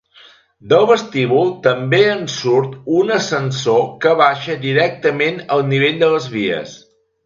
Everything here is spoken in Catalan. Del vestíbul també en surt un ascensor que baixa directament al nivell de les vies.